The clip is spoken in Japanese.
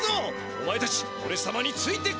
おまえたちおれさまについてこい！